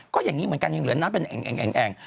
ก็อย่างนี้เหมือนกันยังเหลือน้ำเป็นแอ่ง